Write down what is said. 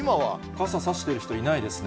傘差してる人、いないですね。